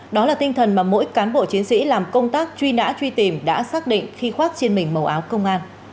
đó là tinh thần mà mỗi cán bộ chiến sĩ làm công tác truy nã truy tìm đã xác định khi khoác trên mình màu áo công an